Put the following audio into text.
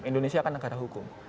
indonesia kan negara hukum